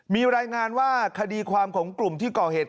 มีรายงานว่าคดีความของกลุ่มที่ก่อเหตุ